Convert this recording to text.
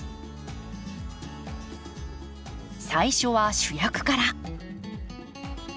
最初は主役から。